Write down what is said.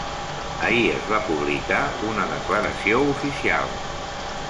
Ahir es va publicar una declaració oficial.